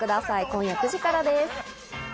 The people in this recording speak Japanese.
今夜９時からです。